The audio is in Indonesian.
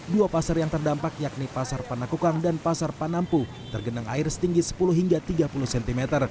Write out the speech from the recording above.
dua pasar yang terdampak yakni pasar panakukang dan pasar panampu tergenang air setinggi sepuluh hingga tiga puluh cm